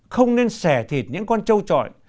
không nên xẻ thịt những con châu trọi